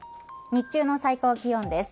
日中の最高気温です。